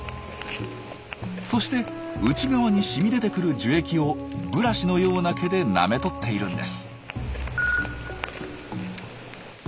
そして内側に染み出てくる樹液をブラシのような毛でなめとっているんです。